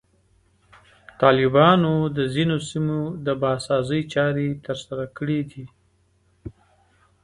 طالبانو د ځینو سیمو د بازسازي چارې ترسره کړي دي.